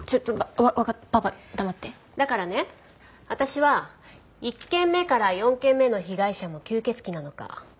だからね私は１件目から４件目の被害者も吸血鬼なのか調べる事にしたの。